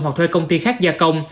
hoặc thuê công ty khác gia công